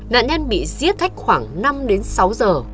nạn nhân bị giết cách khoảng năm đến sáu giờ